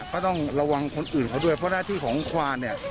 ก็ต้องระวังคนอื่นเขาด้วยเพราะหน้าที่ของควานเนี่ย